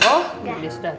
oh udah sudah